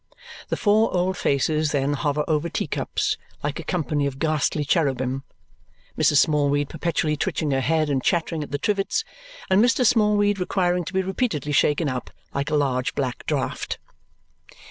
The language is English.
The four old faces then hover over teacups like a company of ghastly cherubim, Mrs. Smallweed perpetually twitching her head and chattering at the trivets and Mr. Smallweed requiring to be repeatedly shaken up like a large black draught.